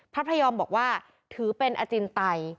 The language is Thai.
พระพยอมบอกว่าถือเป็นอจินไต